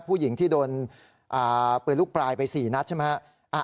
ผู้หญิงที่โดนปืนลูกปลายไป๔นัดใช่ไหมฮะ